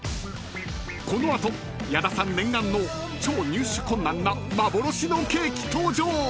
［この後矢田さん念願の超入手困難な幻のケーキ登場］